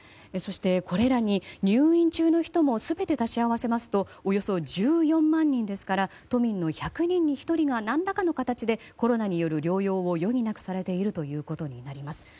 そして、これらに入院中の人も全て足し合わせますとおよそ１４万人ですから都民の１００人に１人が何らかの形でコロナによる療養を余儀なくされているということになります。